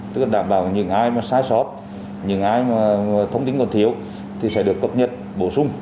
tức là đảm bảo những ai mà sai sót những ai mà thông tin còn thiếu thì sẽ được cập nhật bổ sung